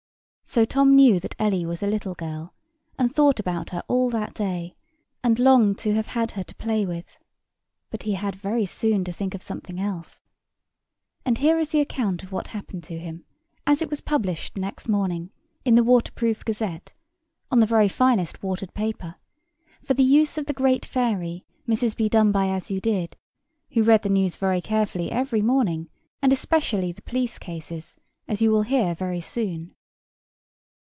So Tom knew that Ellie was a little girl, and thought about her all that day, and longed to have had her to play with; but he had very soon to think of something else. And here is the account of what happened to him, as it was published next morning, in the Water proof Gazette, on the finest watered paper, for the use of the great fairy, Mrs. Bedonebyasyoudid, who reads the news very carefully every morning, and especially the police cases, as you will hear very soon.